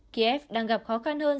kiev đang gặp khó khăn hơn